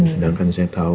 sedangkan saya tahu